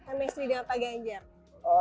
chemistry dengan pak ganjar